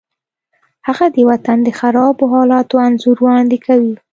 هغه د وطن د خرابو حالاتو انځور وړاندې کوي